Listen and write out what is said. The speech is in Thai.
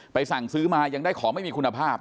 สั่งซื้อมายังได้ของไม่มีคุณภาพ